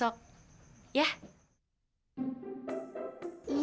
nanti kita bisa berhenti